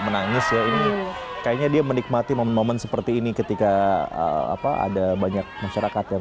menangis ya ini kayaknya dia menikmati momen momen seperti ini ketika apa ada banyak masyarakat yang